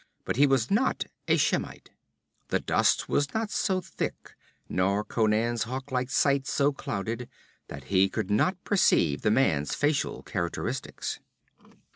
But he was not a Shemite. The dust was not so thick, nor Conan's hawk like sight so clouded, that he could not perceive the man's facial characteristics.